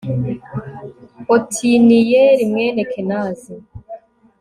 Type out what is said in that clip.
otiniyeli mwene kenazi